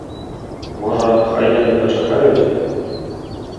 Можа, хай яны пачакаюць?